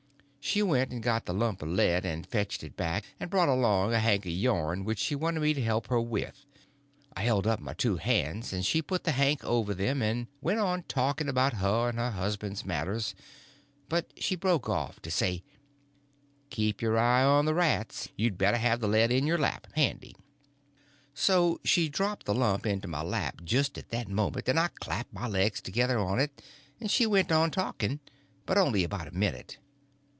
She went and got the lump of lead and fetched it back, and brought along a hank of yarn which she wanted me to help her with. I held up my two hands and she put the hank over them, and went on talking about her and her husband's matters. But she broke off to say: "Keep your eye on the rats. You better have the lead in your lap, handy." So she dropped the lump into my lap just at that moment, and I clapped my legs together on it and she went on talking. But only about a minute.